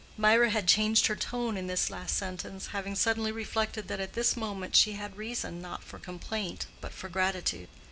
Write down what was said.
Mirah had changed her tone in this last sentence, having suddenly reflected that at this moment she had reason not for complaint but for gratitude.